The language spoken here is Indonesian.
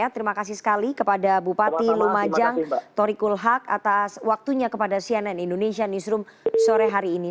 terima kasih sekali kepada bupati lumajang tori kulhak atas waktunya kepada cnn indonesia newsroom sore hari ini